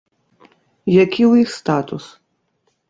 Які ў іх статус?